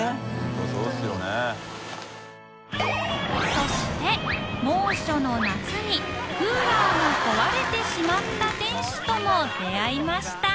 そして猛暑の夏にクーラーが壊れてしまった店主とも出会いました